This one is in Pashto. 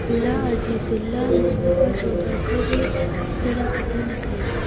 ملا عزيزالله مصطفى سوداګرو سره کتنه کې